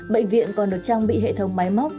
bệnh viện còn được trang bị hệ thống máy móc